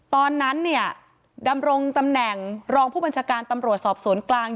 ตอนนั้นเนี่ยดำรงตำแหน่งรองผู้บัญชาการตำรวจสอบสวนกลาง